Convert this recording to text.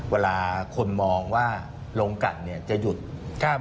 เวลาคนมองว่าโรงกรรมเนี่ยจะหยุดครับ